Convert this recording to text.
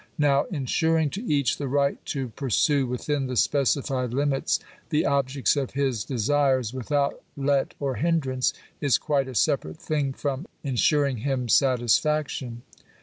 Now insuring to each the right to pur sue within the specified limits the objects of his desires with out let or hindrance, is quite a separate thing from insuring: him satisfaction.